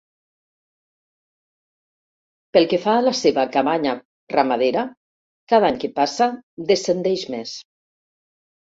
Pel que fa a la seva cabanya ramadera cada any que passa descendeix més.